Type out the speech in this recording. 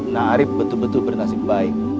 nah arief betul betul berhasil baik